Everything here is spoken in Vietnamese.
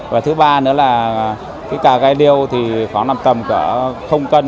và thứ ba nữa là cái cà gai điêu thì khoảng nằm tầm cân